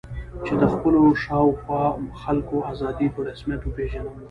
چې د خپلو شا او خوا خلکو آزادي په رسمیت وپېژنم.